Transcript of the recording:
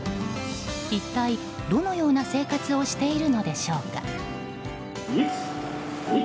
一体、どのような生活をしているのでしょうか。